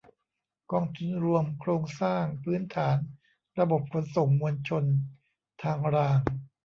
กองทุนรวมโครงสร้างพื้นฐานระบบขนส่งมวลชนทางราง